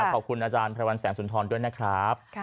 ขอบคุณอพระวัลแสงสุนทรัลด้วยนะครับ